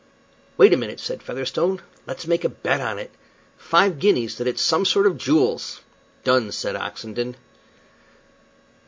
"Wait a minute," said Featherstone. "Let's make a bet on it. Five guineas that it's some sort of jewels!" "Done," said Oxenden.